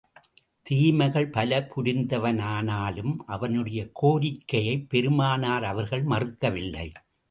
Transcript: தீமைகள் பல புரிந்தவனானாலும், அவனுடைய கோரிக்கையைப் பெருமானார் அவர்கள் மறுக்கவில்லை.